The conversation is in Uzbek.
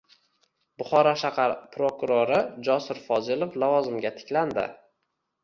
Buxoro shahar prokurori Josur Fozilov lavozimiga tiklandi